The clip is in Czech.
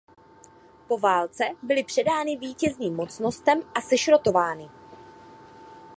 Po válce byly předány vítězným mocnostem a sešrotovány.